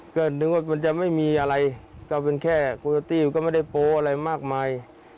ก็นึกว่ามันจะไม่มีอะไรก็เป็นแค่โคโยตี้ก็ไม่ได้โป๊อะไรมากมาย